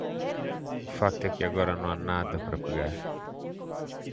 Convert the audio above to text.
O fato é que agora não há nada para pegar.